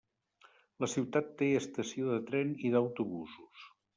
La ciutat té estació de tren i d'autobusos.